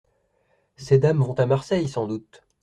Ces dames vont à Marseille, sans doute ?…